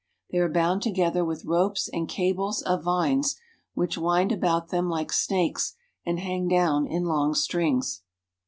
They are bound together with ropes and cables of vines, which wind about them like snakes and hang down in long strings.